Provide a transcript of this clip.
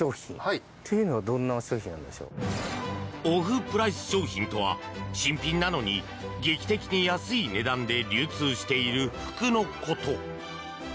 オフプライス商品とは新品なのに、劇的に安い値段で流通している服のこと。